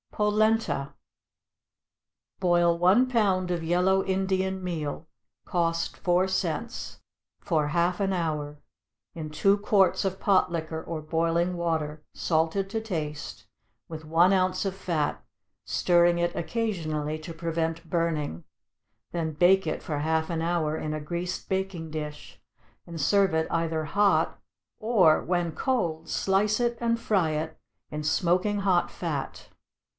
=Polenta.= Boil one pound of yellow Indian meal, (cost four cents,) for half an hour, in two quarts of pot liquor or boiling water, salted to taste, with one ounce of fat, stirring it occasionally to prevent burning; then bake it for half an hour in a greased baking dish, and serve it either hot, or, when cold, slice it and fry it in smoking hot fat.